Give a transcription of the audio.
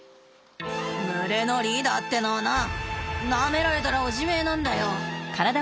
「群れのリーダーってのはなあなめられたらおしめなんだよ！